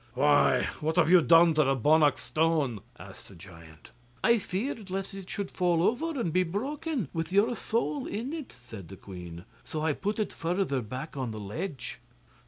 'Why, what have you done to the Bonnach stone?' asked the giant. 'I feared lest it should fall over, and be broken, with your soul in it,' said the queen, 'so I put it further back on the ledge.